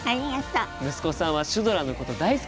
息子さんはシュドラのこと大好きなんだって！